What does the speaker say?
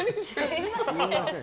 すみません。